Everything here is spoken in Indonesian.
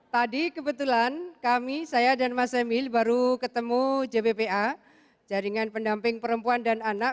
tadi kebetulan kami saya dan mas emil baru ketemu jbpa jaringan pendamping perempuan dan anak